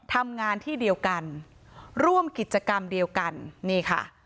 ทำงานที่เดียวกันร่วมกิจกรรมเดียวกันนี่ค่ะ